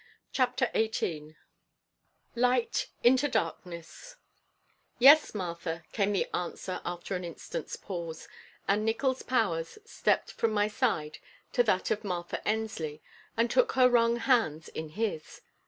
CHAPTER XVIII LIGHT INTO DARKNESS "Yes, Martha," came the answer after an instant's pause, and Nickols Powers stepped from my side to that of Martha Ensley and took her wrung hands in his.